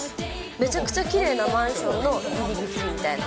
めちゃくちゃきれいなマンションの入り口みたいな。